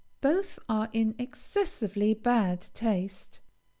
Both are in excessively bad taste.